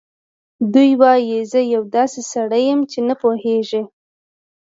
دی وايي: "زه یو داسې سړی یم چې نه پوهېږي